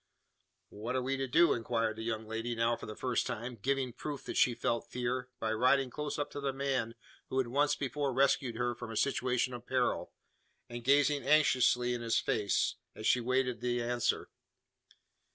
"What are we to do?" inquired the young lady, now, for the first time, giving proof that she felt fear by riding close up to the man who had once before rescued her from a situation of peril, and gazing anxiously in his face, as she awaited the answer.